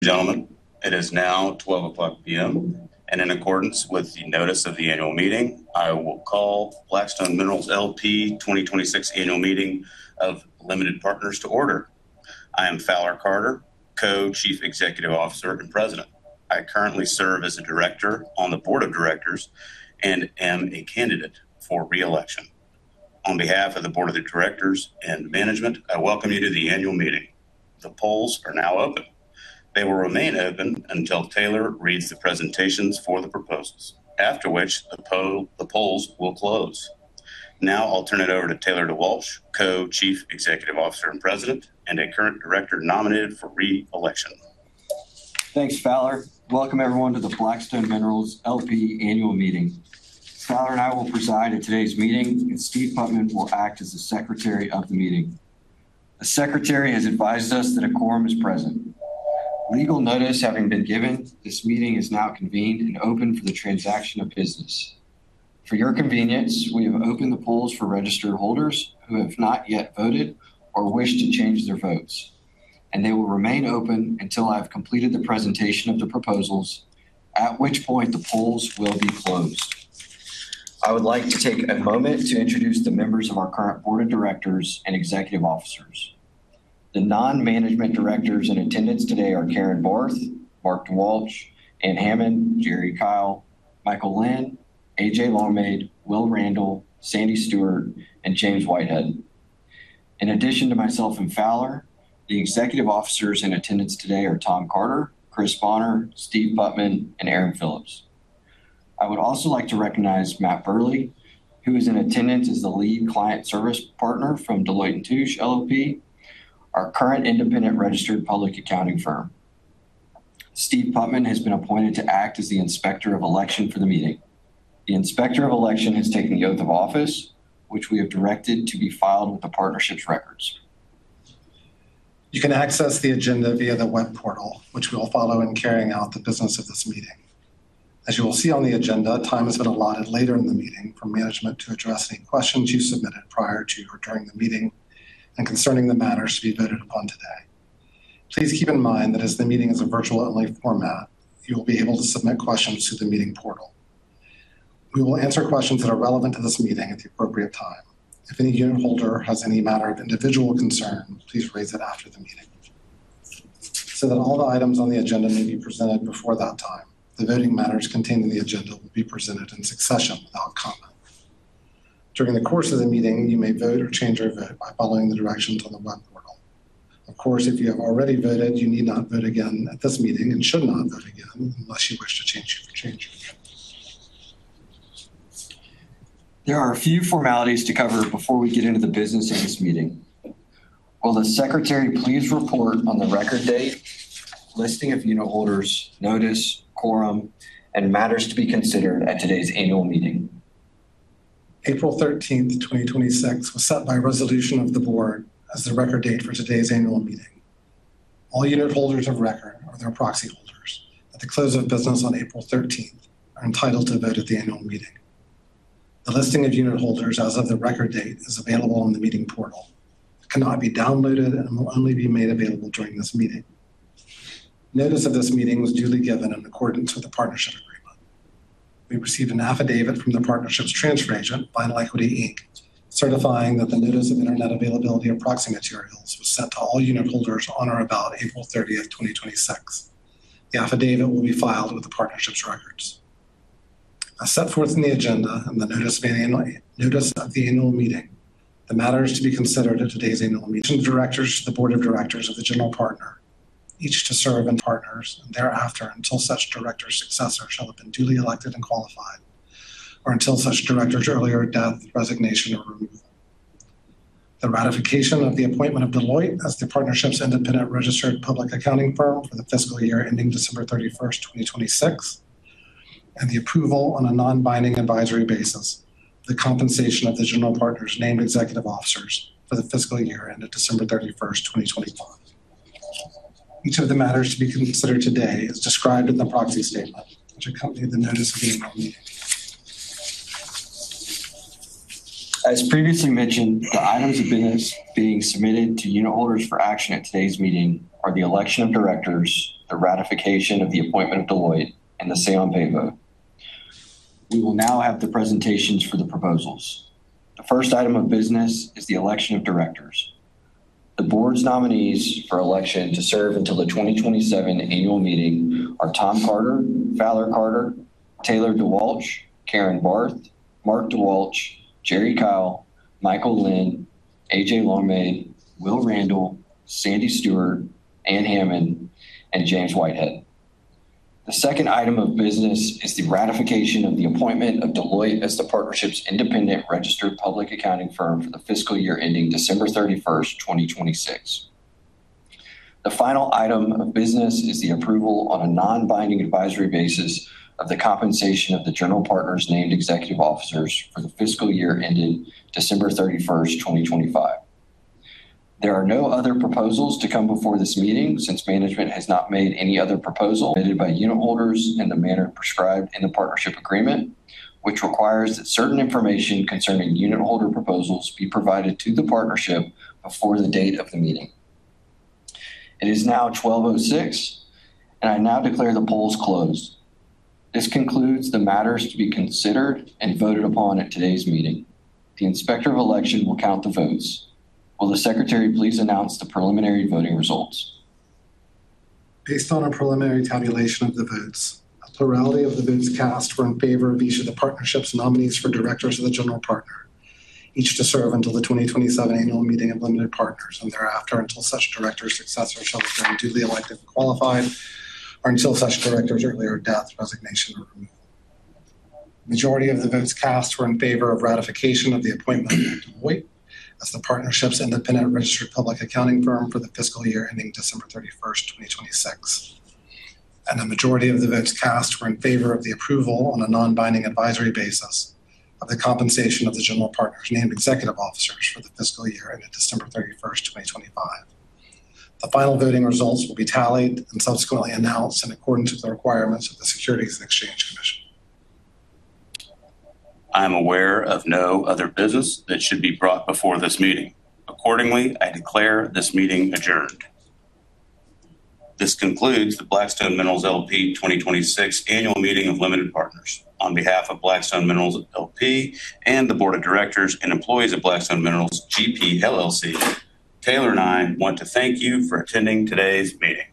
Gentlemen, it is now 12:00 P.M., and in accordance with the notice of the annual meeting, I will call Black Stone Minerals, L.P. 2026 annual meeting of limited partners to order. I am Fowler Carter, Co-Chief Executive Officer and President. I currently serve as a director on the board of directors and am a candidate for re-election. On behalf of the board of directors and management, I welcome you to the annual meeting. The polls are now open. They will remain open until Taylor reads the presentations for the proposals, after which the polls will close. I'll turn it over to Taylor DeWalch, Co-Chief Executive Officer and President, and a current director nominated for re-election. Thanks, Fowler. Welcome everyone to the Black Stone Minerals, L.P. annual meeting. Fowler and I will preside at today's meeting. Steve Putman will act as the secretary of the meeting. The secretary has advised us that a quorum is present. Legal notice having been given, this meeting is now convened and open for the transaction of business. For your convenience, we have opened the polls for registered holders who have not yet voted or wish to change their votes. They will remain open until I have completed the presentation of the proposals, at which point the polls will be closed. I would like to take a moment to introduce the members of our current board of directors and executive officers. The non-management directors in attendance today are Carin Barth, Mark DeWalch, Anne Hamman, Jerry Kyle, Michael Linn, AJ Longmaid, Will Randall, Sandy Stewart, and James Whitehead. In addition to myself and Fowler, the executive officers in attendance today are Tom Carter, Chris Bonner, Steve Putman, and Erin Phillips. I would also like to recognize Matt Burley, who is in attendance as the lead client service partner from Deloitte & Touche LLP. Our current independent registered public accounting firm. Steve Putman has been appointed to act as the inspector of election for the meeting. The inspector of election has taken the oath of office, which we have directed to be filed with the partnership's records. You can access the agenda via the web portal, which we will follow in carrying out the business of this meeting. As you will see on the agenda, time has been allotted later in the meeting for management to address any questions you submitted prior to or during the meeting and concerning the matters to be voted upon today. Please keep in mind that as the meeting is a virtual-only format, you'll be able to submit questions through the meeting portal. We will answer questions that are relevant to this meeting at the appropriate time. If any unitholder has any matter of individual concern, please raise it after the meeting. That all the items on the agenda may be presented before that time, the voting matters contained in the agenda will be presented in succession without comment. During the course of the meeting, you may vote or change your vote by following the directions on the web portal. Of course, if you have already voted, you need not vote again at this meeting and should not vote again unless you wish to change your vote. There are a few formalities to cover before we get into the business of this meeting. Will the secretary please report on the record date, listing of unitholders, notice, quorum, and matters to be considered at today's annual meeting? April 13th, 2026, was set by resolution of the board as the record date for today's annual meeting. All unitholders of record or their proxy holders at the close of business on April 13th are entitled to vote at the annual meeting. The listing of unitholders as of the record date is available on the meeting portal. It cannot be downloaded and will only be made available during this meeting. Notice of this meeting was duly given in accordance with the partnership agreement. We received an affidavit from the partnership's transfer agent, Equiniti, certifying that the notice of internet availability of proxy materials was sent to all unitholders on or about April 30th, 2026. The affidavit will be filed with the partnership's records. As set forth in the agenda and the notice of the annual meeting, the matters to be considered at today's annual meeting The directors to the board of directors of the general partner, each to serve in partners and thereafter until such director's successor shall have been duly elected and qualified, or until such director's earlier death, resignation, or removal. The ratification of the appointment of Deloitte as the partnership's independent registered public accounting firm for the fiscal year ending December 31st, 2026, and the approval on a non-binding advisory basis, the compensation of the general partner's named executive officers for the fiscal year ended December 31st, 2025. Each of the matters to be considered today is described in the proxy statement, which accompanied the notice of the annual meeting. As previously mentioned, the items of business being submitted to unitholders for action at today's meeting are the election of directors, the ratification of the appointment of Deloitte, and the say-on-pay vote. We will now have the presentations for the proposals. The first item of business is the election of directors. The board's nominees for election to serve until the 2027 annual meeting are Tom Carter, Fowler Carter, Taylor DeWalch, Carin M. Barth, D. Mark DeWalch, Jerry Kyle, Michael Linn, Ashley J. Longmaid, Will Randall, Sandy Stewart, Anne Hamman, and James Whitehead. The second item of business is the ratification of the appointment of Deloitte as the partnership's independent registered public accounting firm for the fiscal year ending December 31st, 2026. The final item of business is the approval on a non-binding advisory basis of the compensation of the general partner's named executive officers for the fiscal year ending December 31st, 2025. There are no other proposals to come before this meeting since management has not made any other proposal submitted by unitholders in the manner prescribed in the partnership agreement, which requires that certain information concerning unitholder proposals be provided to the partnership before the date of the meeting. It is now 12:06 P.M. I now declare the polls closed. This concludes the matters to be considered and voted upon at today's meeting. The inspector of election will count the votes. Will the secretary please announce the preliminary voting results? Based on a preliminary tabulation of the votes, a plurality of the votes cast were in favor of each of the partnership's nominees for directors of the general partner, each to serve until the 2027 annual meeting of limited partners and thereafter until such director's successor shall have been duly elected and qualified, or until such director's earlier death, resignation, or removal. Majority of the votes cast were in favor of ratification of the appointment of Deloitte as the partnership's independent registered public accounting firm for the fiscal year ending December 31st, 2026. The majority of the votes cast were in favor of the approval on a non-binding advisory basis of the compensation of the general partner's named executive officers for the fiscal year ended December 31st, 2025. The final voting results will be tallied and subsequently announced in accordance with the requirements of the Securities and Exchange Commission. I'm aware of no other business that should be brought before this meeting. Accordingly, I declare this meeting adjourned. This concludes the Black Stone Minerals, L.P. 2026 annual meeting of limited partners. On behalf of Black Stone Minerals, L.P. and the board of directors and employees of Black Stone Minerals GP, L.L.C., Taylor and I want to thank you for attending today's meeting.